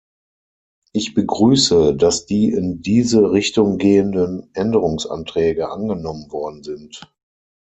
Ich begrüße, dass die in diese Richtung gehenden Änderungsanträge angenommen worden sind.